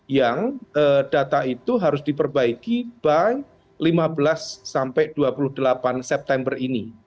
yang data itu harus diperbaiki by lima belas sampai dua puluh delapan september ini